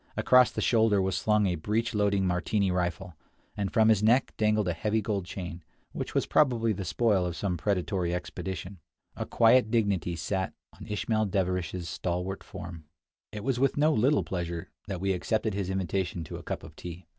Across the shoulders was slung a breech loading Martini rifle, and from his neck dangled a heavy gold chain, which was probably the spoil of some predatory expedition. A quiet dignity sat on Ismail Deverish's stalwart form. 54 Across Asia on a Bicycle THE KURDISH ENCAMPMENT. It was with no little pleasure that we accepted his invitation to a cup of tea.